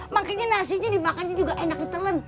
makanya nasinya dimakannya juga enak ditelen